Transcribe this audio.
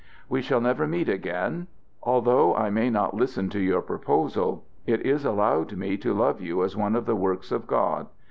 "We shall never meet again. Although I may not listen to your proposal, it is allowed me to love you as one of the works of God.